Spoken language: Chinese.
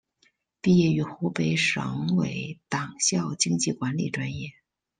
毕业于湖北省委党校经济管理专业。